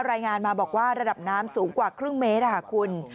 รายงานมาบอกว่าระดับน้ำสูงกว่าครึ่งเมตรค่ะคุณ